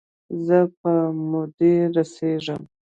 زه په مودې رسیږم